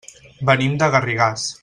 Venim de Garrigàs.